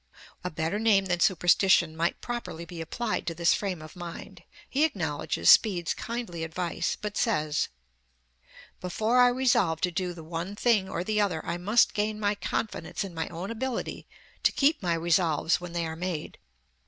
A better name than "superstition" might properly be applied to this frame of mind. He acknowledges Speed's kindly advice, but says: "Before I resolve to do the one thing or the other, I must gain my confidence in my own ability to keep my resolves when they are made.